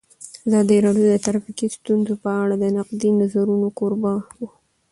ازادي راډیو د ټرافیکي ستونزې په اړه د نقدي نظرونو کوربه وه.